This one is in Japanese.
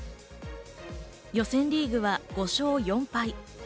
予選リーグは５勝４敗。